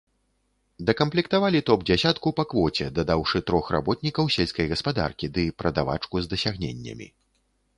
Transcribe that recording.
Дакамплектавалі топ-дзясятку па квоце, дадаўшы трох работнікаў сельскай гаспадаркі ды прадавачку з дасягненнямі.